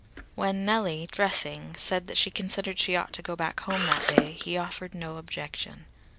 When Nellie, dressing, said that she considered she ought to go back home that day, he offered no objection.